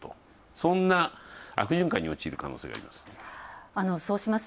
そんな、悪循環に陥る可能性があります。